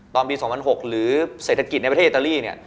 ตอนปี๒๐๐๖หรือเศรษฐกิจในประเทศอิตาลีเนี่ย